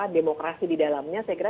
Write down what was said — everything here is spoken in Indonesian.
demokrasi di dalamnya saya kira